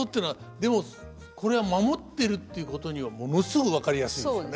でもこれは守ってるっていうことにはものすごく分かりやすいですね。